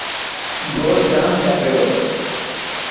گوڙ جام ٿي پيو.